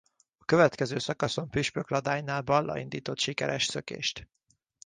A következő szakaszon Püspökladánynál Balla indított sikeres szökést.